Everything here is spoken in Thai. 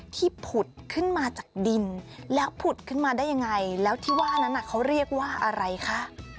ผุดขึ้นมาจากดินแล้วผุดขึ้นมาได้ยังไงแล้วที่ว่านั้นเขาเรียกว่าอะไรคะ